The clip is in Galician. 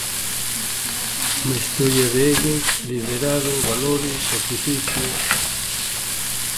Unha historia de egos, liderado, valores, sacrificio.